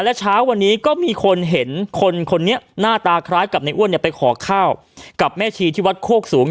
และเช้าวันนี้ก็มีคนเห็นคนคนนี้หน้าตาคล้ายกับในอ้วนเนี่ยไปขอข้าวกับแม่ชีที่วัดโคกสูง